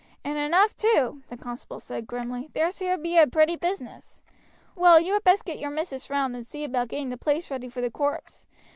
"And enough too," the constable said grimly. "This here be a pretty business. Well, you had best get your missis round and see about getting the place ready for the corpse.